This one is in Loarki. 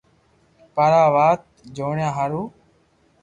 پر آ وات ني جوڻيا ھارون